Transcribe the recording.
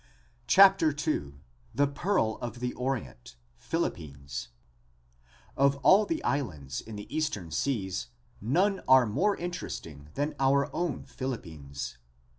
CHAPTER II THE PEARL OF THE ORIENT PHILIPPINES Of all the islands in the eastern seas, none are more interesting than our own Philippines.